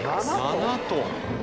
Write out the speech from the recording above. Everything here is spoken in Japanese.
７トン。